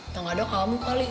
yang ada kamu kali